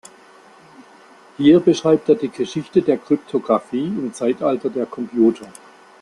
Hier beschreibt er die Geschichte der Kryptographie im Zeitalter der Computer.